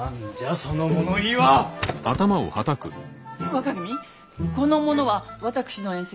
若君この者は私の遠戚。